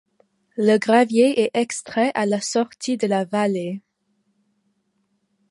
Le gravier est extrait à la sortie de la vallée.